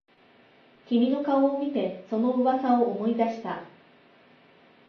君の顔を見てその噂を思い出した